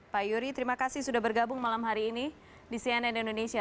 pak yuri terima kasih sudah bergabung malam hari ini di cnn indonesia